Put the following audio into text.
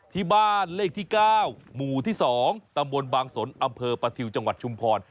ที่บ้านเลขที่๙หมู่ที่๒ตำบลบางสนอำเภอประทิวจังหวัดชุมพร